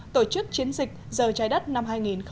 tổ chức chiến dịch giờ trái đất năm hai nghìn một mươi chín